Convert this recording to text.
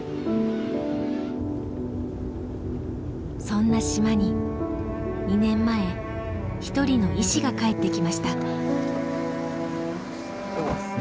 そんな島に２年前一人の医師が帰ってきました。